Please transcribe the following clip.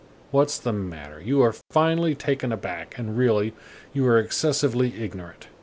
What's the matter? You are finely taken aback, and really, you are excessively ignorant.